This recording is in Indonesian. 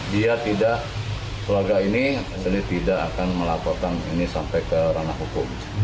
dia tidak keluarga ini tidak akan melaporkan ini sampai ke ranah hukum